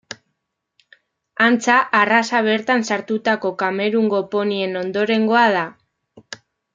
Antza arraza bertan sartutako Kamerungo ponien ondorengoa da.